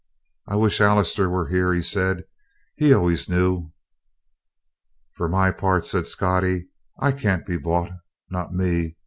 "I wish Allister was here," he said. "He always knew." "For my part," said Scottie, "I can't be bought. Not me!"